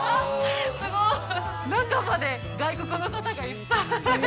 すごい中まで外国の方がいっぱい！